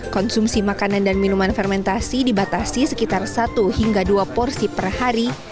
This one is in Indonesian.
konsumsi makanan dan minuman fermentasi dibatasi sekitar satu hingga dua porsi per hari